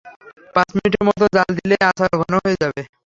পাঁচ মিনিটের মতো জ্বাল দিলেই আচার ঘন হয়ে যাবে।